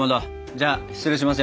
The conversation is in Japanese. じゃあ失礼しますよ。